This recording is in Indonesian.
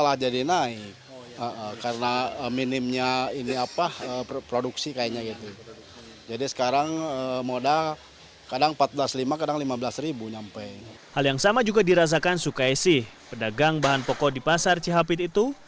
hal yang sama juga dirasakan sukaisi pedagang bahan pokok di pasar cihapit itu